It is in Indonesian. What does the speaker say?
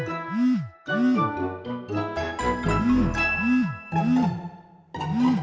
kayaknya cuma harus berubah